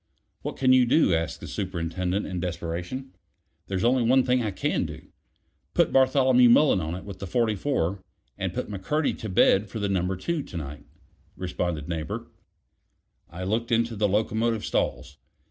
"What can you do?" asked the Superintendent in desperation. "There's only one thing I can do. Put Bartholomew Mullen on it with the 44, and put McCurdy to bed for Number Two to night," responded Neighbor. It was eight o'clock. I looked into the locomotive stalls.